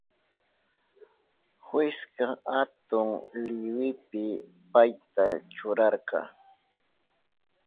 Jueska atun liwipi payta churarka.